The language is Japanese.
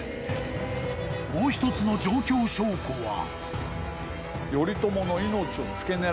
［もう一つの状況証拠は］